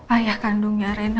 ayah kandungnya reina